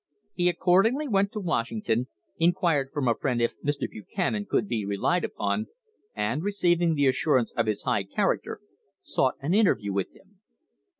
He accordingly went to Washington, inquired from a friend if Mr. Buchanan could be relied upon, and, receiving the assurance of his high character, sought an interview with him.